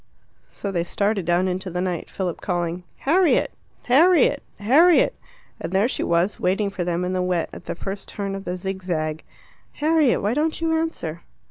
So they started down into the night, Philip calling "Harriet! Harriet! Harriet!" And there she was, waiting for them in the wet, at the first turn of the zigzag. "Harriet, why don't you answer?"